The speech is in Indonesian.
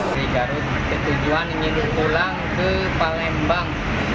dari garut ke tujuan ingin pulang ke palembang